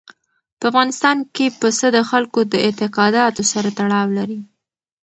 په افغانستان کې پسه د خلکو د اعتقاداتو سره تړاو لري.